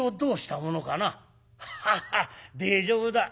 「ハハハッ大丈夫だ。